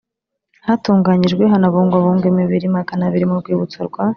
Hatunganyijwe hanabungwabungwa imibiri magana abiri mu rwibutso rwa